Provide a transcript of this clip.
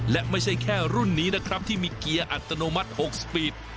และไม่ใช่แค่รุ่นนี้นะครับที่มีเกียร์อัตโนมัติ๖สปีด